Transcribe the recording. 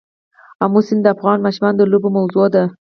آمو سیند د افغان ماشومانو د لوبو موضوع ده.